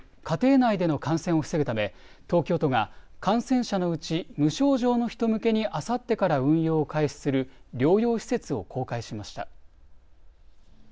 家庭内での感染を防ぐため東京都が感染者のうち無症状の人向けにあさってから運用を開始する療養施設を公開しました。